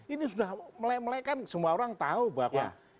ini sudah melem melekan semua orang tahu bahwa